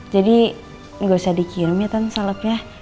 jadi gak usah dikirim ya tan salepnya